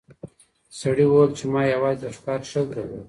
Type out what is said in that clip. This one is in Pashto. سړي وویل چې ما یوازې د ښکار شوق درلود.